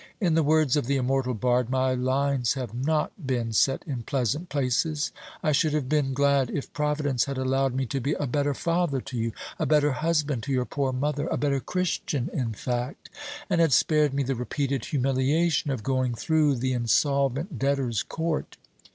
In the words of the immortal bard, my lines have not been set in pleasant places. I should have been glad if Providence had allowed me to be a better father to you, a better husband to your poor mother a better Christian, in fact and had spared me the repeated humiliation of going through the Insolvent Debtors' Court.